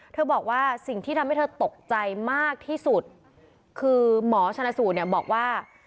บอกว่าสิ่งที่ทำให้เธอตกใจมากที่สุดคือหมอชนสูตรเนี่ยบอกว่า